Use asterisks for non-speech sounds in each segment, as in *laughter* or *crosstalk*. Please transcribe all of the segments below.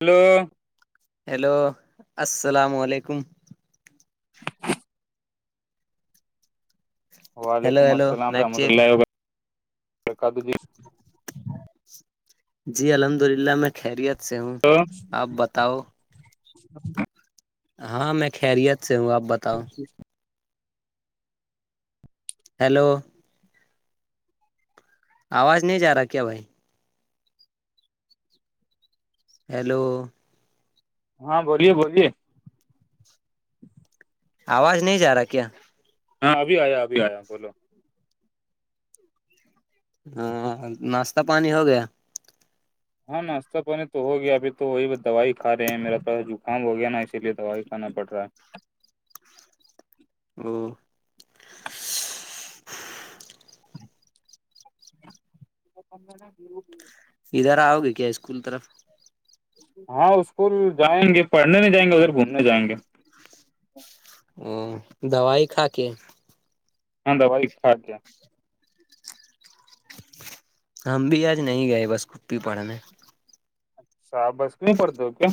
hello hello السلام علیکم *inaudible* hello وعلیکم ہیلو السلام میک رحمۃ چیک اللہ وبرک وبرکاتہ جی جی الحمد للہ میں خیریت سے ہوں تو آپ بتاؤ ہاں میں خیریت سے ہوں آپ بتاؤ ہیلو آواز نہیں جا رہا کیا بھائی ہیلو ہاں بولیے بولیے آواز نہیں جا رہا کیا ہاں ابھی آیا ابھی آیا بولو ہاں ناشتہ پانی ہو گیا ناشتہ پانی کی ہو گیا میری طبیعت خراب ہیں جھکم ہو گیا ہے او پندر ادھر آؤ گے کیا اسکول طرف ہاں اسکول جائیں گے پڑھنے نہیں جائیں گے ادھر گھومنے جائیں گے ا دوائی کھا کے ہ د بائی ٹھاک گیا ہم بھی آج نہیں گئے بس گپی پڑنے سا بس کی نہیں پڑتے کیا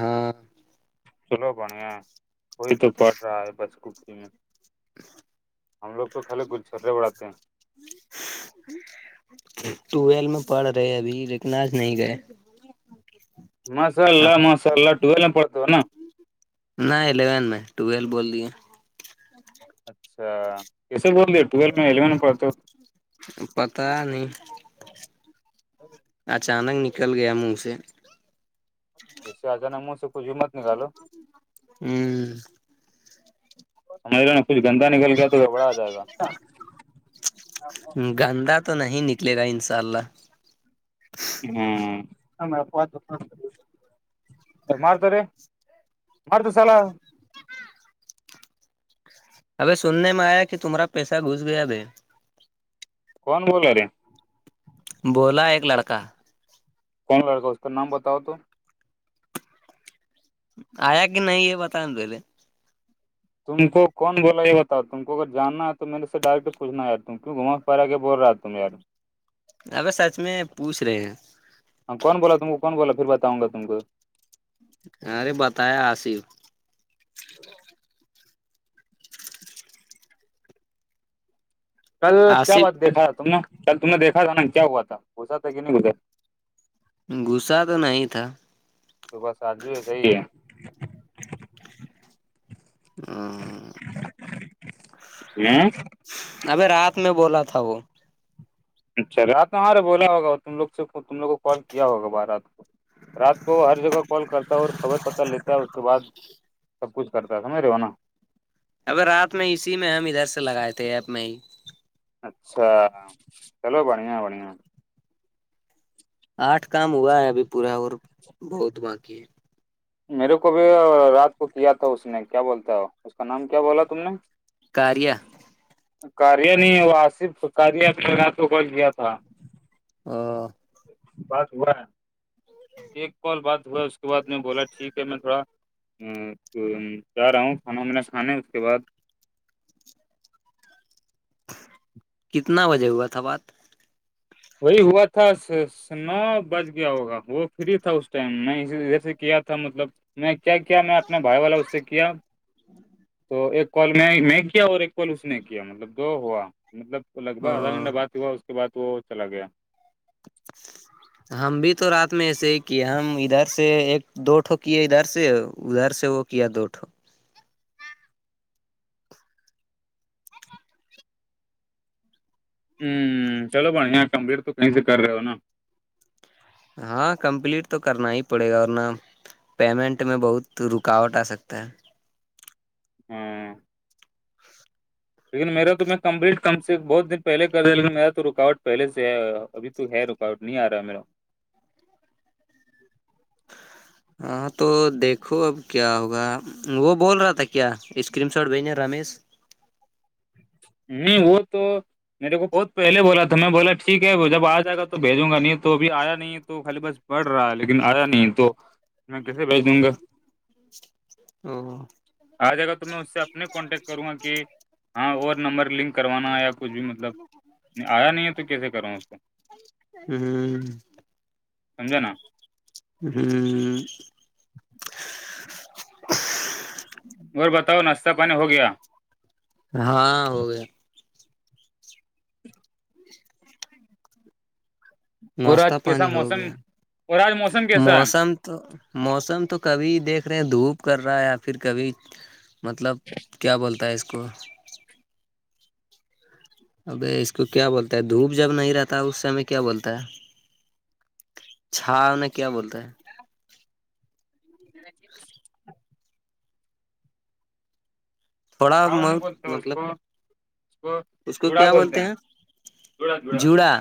ہاں چلو بڑیا وہی تو پڑ رہا ہے بس کپی میں ہم لوگ تو خالی گلچھرے بڑاتے ہیں *inaudible* ٹویل میں پڑھ رہے ابھی رکناج نہیں گئے مسال آپ اللہ مسال اللہ ٹول پڑتا ہو ہے نا نہ الیون میں ٹویلو بول دیے اچھا کیسے بول رہ ٹویل میں الیون میں پڑھ ہ ہو پتا نہیں ہو اچانک نکل گیا منہ سے ج سے آ جانا منہ سے کچھ مت نکالو ہ سمجھ رہے نا کچھ گندا نکل گیا تو گبڑا آ جائے گا گندا تو نہیں نکلے گا انشاء اللہ ہوں ہمپ مارتاور مارتا سال ابے سننے میں آیا کہ تمہارا پیسہ گھس گیا ب کون بول رہے بولا ایک لڑکا کون لڑکا اس کا نام بتاؤ تو آیا کہ نہیں یہ بتائیں پہلے تم کون بولا یہ بتاؤ تم کو اگر جاننا ہے تو میرے سے ڈائریکٹ پوھنا ہے ت کیوں گھوما پھرا کے بول رہا تم میں یار اب سچ میں پوچھ رہے ہیں ہ کون بولا تم کون بولا پھر بتاؤںا تم کو ارے بتایا آصف کل کیا بات آصف دیکا تھا تم کل تم نے دیکھا تھا نا کیا ہوا تھا گسا تھا کہ نہیں گزرا غصہ تو نہیں تھا تو بس آج بھی ہے جئیے ہے ابھی رات میں بولا تھا وہ اچھا رات میں وہارے بولا ہوگا تم لوگ سے تم لوگ کو کال کیا ہوگا بارات کو رات کو ہر جگہ کال کرتا ہے اور خبر پتہ لیتا ہے اس کے بعد سب کچھ کرتا ہے سمجھ رہے ہو نا اب رات میں اسی میں ہم ادھر سے لگائے تھے ایب میں ہی اچھا چلو بڑیا بڑیا آٹھ کام ہوا ہے ابھی پورا اور بہت باقی ہے میرے کو بھی رات کو کیا تھا اس نے کیا بولتا ہے اس کا نام کیا بولا تم نے کاریہ کاریا نہیں ہے وہ آصف ستاریہ کے رات کو کال کیا تھا *unintelligible* بات ہوا ہے ایک کال بات ہوا اس کے بد میں بولا ٹھیک ہے میں تھوڑا چاہ رہا ہوں کھانا میںا کھانے اس کے بعد کتنا بجے ہوا تھا بات وہی ہوا تھا نو بج گیا ہوگا وہ فری تھا اس ٹائم میں اے سے کیا تھا مطلب میں کیا کیا میں اپنے بھائی والا اس سے کیا تو ایک کال میں میں کیا اور ایک کال اس نے کیا مطلب دو ہوا مطلب لگ بگ آدھا گھنٹہ بات ہوا اس کے بعد وہ چلا گیا *unintelligible* ہم بھی تو رات میں ایسے ہی کیے ہم ادھر سے ایک دو ٹوکی ہے ادھر سے ادھر سے وہ کیایا دوٹھوں ہوں چلو بڑیا کمبٹ تو کہیں سے کر رہے ہو نا ہاں کمپلیٹ تو کرنا ہی پڑے گا اورور ن پیمنٹ میں بہت رکاوٹ آ سکتا ہے ہاں *unintelligible* لیکن میرا تو میں کمپلیٹ کم سے کم بہت دن پہے کر رہا لیکن میرا تو رکاوٹ پہے سے ہے ابھی تو ہے ٹ نہیں آ رہا میرا ہاں تو دیکھو اب کیا ہوگا وہ بول رہا تھا کیا اسکریم شاٹ بھیجنے رمیش نہیں وہ تو میرے کو بہت پہلے بولا تھا میں بولا ٹھیک ہے وہ جب آ جائے گا تو بھیجوں گا نہیں تو ابھی آیا نہیں تو خالی بس بڑھ رہا ہے لیکن آیا نہیں تو میں کیسے بھیج دوں گا آ جائے گا تو میں اس سے اپنے کانٹیکٹ کروں گا کہ او ہاں اور نمبر لنک کروانا یا کچھ بھی مطلب آیا نہیں ہے تو کیسے کراوں اس کو ہوں سمجا نا *unintelligible* ہوں *inaudible* اور بتاؤ ناشہ پانی ہو گیا ہاں ہو گیا *inaudible* اور ناشتتا آج کیسا پانی ہو موسم گیا اور آج موسم کیسا ہے موسم تو موسم تو کبھی دیکھ رہے ہیں دھوپ کر رہا ہے یا پھر کبھی مطلب کیا بولتا ہے اس کو اب اس کو کیا بولتا ہے دھوپ جب نہیں رہتا ہے اس سمے کیا بولتا ہے چھا انیں کیا بولتا ہے *inaudible* تھوڑا ساو نہیں بہت بولتے اس مطلب کو اس کو اس کو جڑا کیا بولتے ہیں جڑا جڑا جوڑا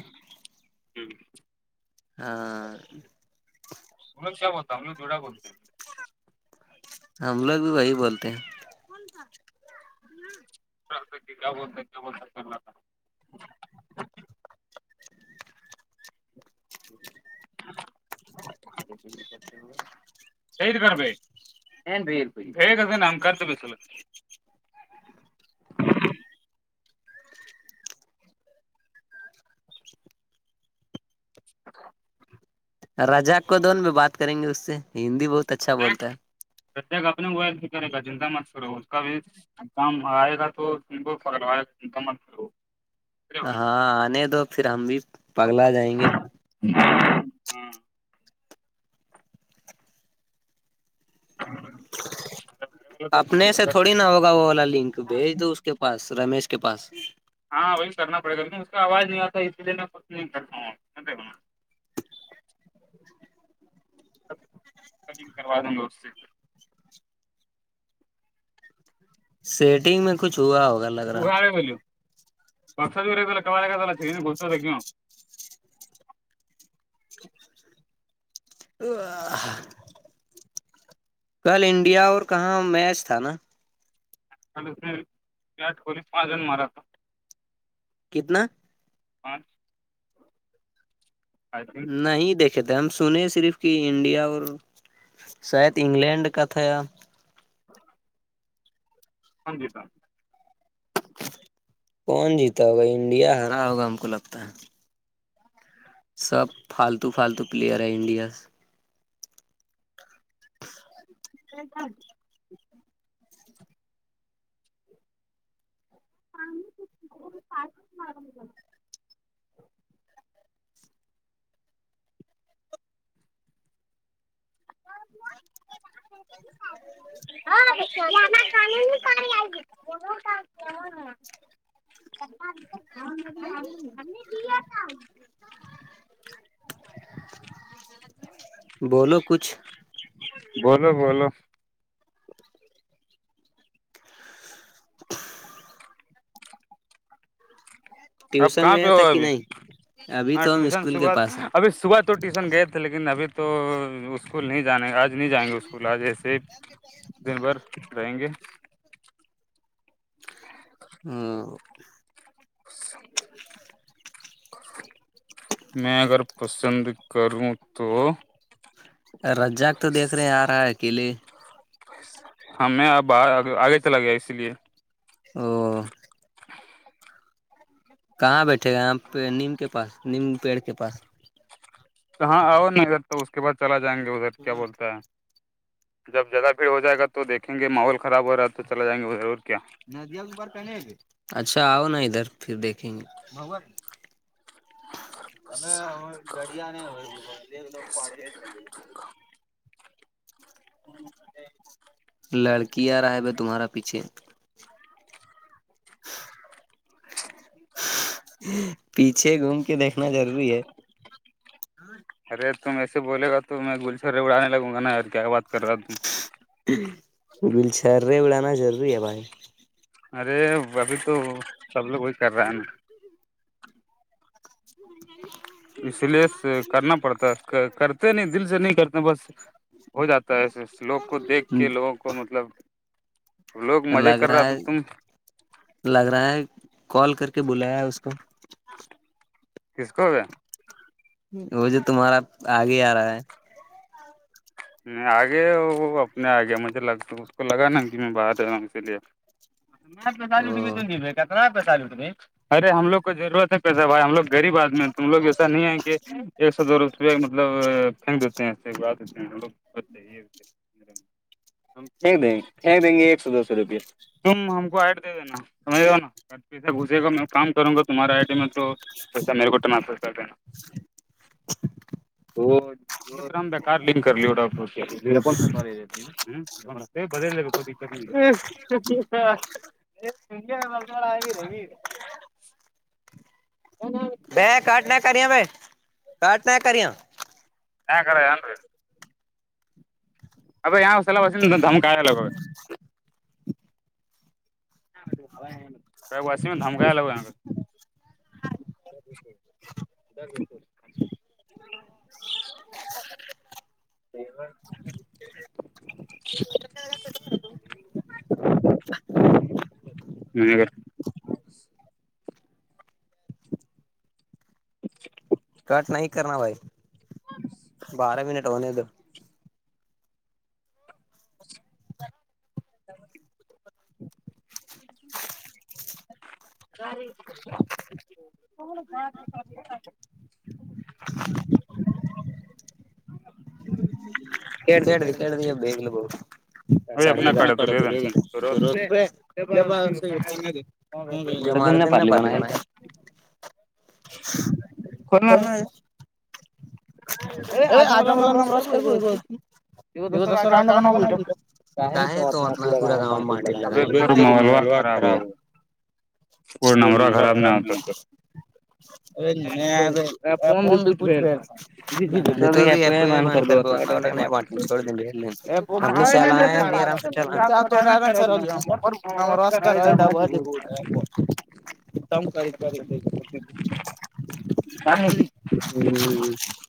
ہاں ہم س کیا ہوتا ہم نے جوورا کرتے ہیں ہم لوگ بھی وہی بولتے ہیں *unintelligible* *unintelligible* ا *inaudible* چید کر ب ب ن کرتب سلو *unintelligible* رجا کو دون بھی بات کریں گے اس سے ہندی بہت اچھا بولتا ہے ست اپنے بھی کرے گا چنتا مت کرورو اس کا بھی کام آئے گا تو ت کو فوائے گ کا مت کر ہاں آنے دو پھر ہم بھی پگلا جائیں گے *unintelligible* *inaudible* اپنے سے تھوڑی ہاں نا ہوگا وہ والا لنک بھیج دووں اس کے پاس رمیش کے پاس ہاں وہی کرنا پڑے گا لیک اس کا آواز نہیں آتا اس لیے میں کچھ نہیں کرتا نگ کرواد گست سیٹنگ میں کچھ ہوا ہوگاا اگاڑ ہے بولو بتا جوور گ کا لا چ گ تھاوں تو کل انڈیا اور کہاں میچ تھا نا لاٹ کولی پ جن مارا تھا کتنا ہان تھنک نہیں دیکھ کہ تھ ہم سنے صرف کہ انڈیا اور شاید انگلینڈ کا تھا ہاں جی سی کون جیتا ہوگا انڈیا ہرا ہوگا ہم کو لگتا ہے سب فالتو فالتو پلیئر ہیں انڈیا سے ہاں تو پ مار گ *unintelligible* *inaudible* ہاں *unintelligible* ہم نے دیا تھا *unintelligible* بولو کچھ *unintelligible* بولو بولو *unintelligible* اب ٹیوشن کہاں پہ گیا ہو تھا کہ ابھی نہیں ابھی ہاں تو ہم ٹیوشن اسکول کے صبح پاس ہیں ابھی صبح تو ٹیوشن گئے تھے لیکن ابھی تو اسکول نہیں جانے آج نہیں جائیں گے اسکول آ جیسے دن بھر رہیں گے ہ *unintelligible* *inaudible* میں اگر پسند کروں تو *unintelligible* رجاق تو دیکھ رہے ہیں آ رہا ہے قلے ہمیں اب آگے چلا گیا اسی لیے ہاں *unintelligible* کہاں بیٹھے گا یہ پ نیم کے پاس نیم پیڑ کے پاس ہاں آؤ نا ادھر تو اس کے بعد چلا جائیں گے ادھر کیا بولتا ہے جب زیادہ بھیڑ ہو جائے گا تو دیکھیں گے ماحول خراب ہو رہا ہے تو چلا جائیں گے وہ ضرور کیا ندیاں اچھا آؤ نا ادھر پھر دیکھیں گے *unintelligible* ہمیں دریا نہیں ہو لوگ پڑی چ *unintelligible* لڑکی آ رہا ہے ب تمہارا پیچھے *unintelligible* پیچھے گھوم کے دیکھنا ضروری ہے *unintelligible* ارے تم ایسے بولے گا تو میں گلچھرے اڑانے لگوں گا نا ار *unintelligible* کیا بات کر رہا ت *unintelligible* بلچرے اڑانا ضروری ہے بھائی *unintelligible* ارے ابھی تو سب لوگ کوی کر رہا ہے نا *unintelligible* *inaudible* اسی لیے کرنا پڑتا ہے کرتے نہیں دل سے نہیں کرتے بس ہو جاتا ہے لوگ کو دیکھ کے لوگوں کو مطلب لوگ مزے لگ کر رہا تو ہے تم لگ رہا ہے کال کر کے بلایا ہے اس کو *unintelligible* کس کو وہ جو تمہارا آگے آ رہا ہے نہیں آگیا وہ اپنے آ گیا مجھے لگ اس کو لگان نا کہ میں باہر رہا ہوں اسی لیے میں سال بھی وہ تو با اتنا پیسہ لتے بھ ارے ہم لو کو ضرورت ہے پیسہ بھائی ہم لوگغریب آدمی *unintelligible* ہم لوگ ایسا نہیں ہے کہ ایک سو دو روپئے مطلب پھینک دیتے ہیںےوا دیتے ہیں ہم لوگ ا ہم پھینک دیں گے پھینک دیں گے ایک سو دوس روپیہ *unintelligible* تم ہم کو ایڈ دے دینا سمجھ ل نا پیھے گھسے گا میں کام کروں گا تمہارے آئی ڈی میں تو پیسہ میرے کو ٹناف کر دینا *unintelligible* تو رام دا کارلن کر لیا پ کالج ہ ے بدل ل ب یہ سیا بارا آ رہیی ہے نہیں ب کٹ نہ کریا ب کٹ نہ کریا کڑے آن ری ابھی یہاں اس سلا با تو د ہم کا ہے لگے ہے واسی میں دھمکا لگو گجور گاد پور نہیں ہ *inaudible* نا کرنا بھائی بارہ منٹ ہونے اد *inaudible* گ *inaudible* *inaudible* کد کد یہ بیگل با س ب شے ل باے ہ جو مہارے دن نے پارلی بن ہے ک میں ہے ا آد ب نمبرس کا ب جگ د اکنٹ بناول کہیں تو اپنا پورا گاؤں میں مارٹ لگائے مح خراب ہے کوئی نمرہ خراب نہیں ہوتا ا فن بھی کچھ بھی توپ ب کر چوڑ د ب آرام سے ن ہم روسکار اور ڈا برد کوٹا آپ کتا ہ کراریخ کر